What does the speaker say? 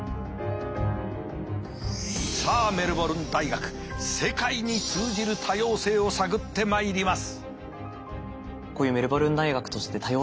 さあメルボルン大学世界に通じる多様性を探ってまいります。